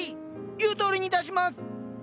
言うとおりにいたします！